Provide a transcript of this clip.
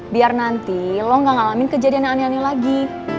biar nanti lo gak ngalamin kejadian yang aneh aneh lagi